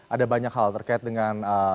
ada banyak hal terkait dengan